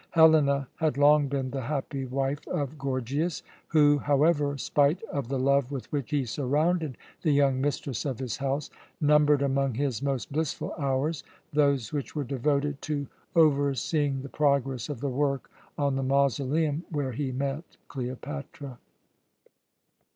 Helena had long been the happy wife of Gorgias who, however, spite of the love with which he surrounded the young mistress of his house, numbered among his most blissful hours those which were devoted to overseeing the progress of the work on the mausoleum, where he met Cleopatra.